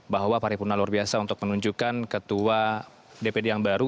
bahwa paripurna luar biasa untuk menunjukkan ketua dpd yang baru